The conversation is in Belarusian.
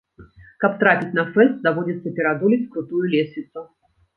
Каб трапіць на фэст, даводзіцца пераадолець крутую лесвіцу.